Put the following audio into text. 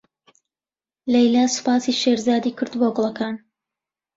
لەیلا سوپاسی شێرزاد کرد بۆ گوڵەکان.